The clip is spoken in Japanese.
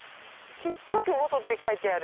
小っちゃく「元」って書いてある。